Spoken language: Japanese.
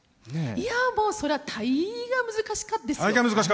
いやもうそれはたいが難しかっですよ！